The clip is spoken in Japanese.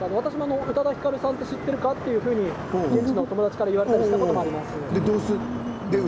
宇多田ヒカルさん知っているか？と現地の友達から言われたことがあります。